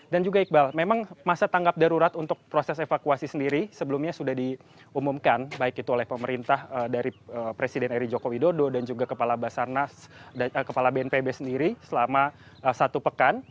dan juga iqbal memang masa tanggap darurat untuk proses evakuasi sendiri sebelumnya sudah diumumkan baik itu oleh pemerintah dari presiden erick joko widodo dan juga kepala basarnas dan kepala bnpb sendiri selama satu pekan